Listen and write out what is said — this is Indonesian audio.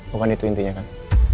bukan itu intinya kan